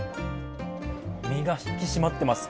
身が引き締まっています。